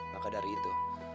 maka dari itu